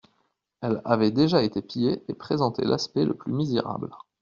Elle avait déjà été pillée et présentait l'aspect le plus misérable.